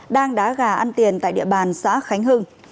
đang đá gà ăn tiền tại địa bàn xã khánh hưng